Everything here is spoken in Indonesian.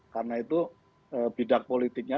karena itu bidak politiknya